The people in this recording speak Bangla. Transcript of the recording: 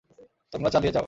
তোমরা চালিয়ে যাও!